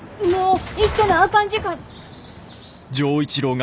もう！